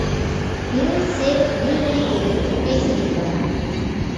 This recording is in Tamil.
இருள் சேர் இருவினை என்று பேசுகின்றார்.